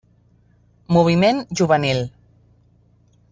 Moviment juvenil.